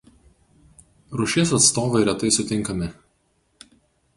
Rūšies atstovai retai sutinkami.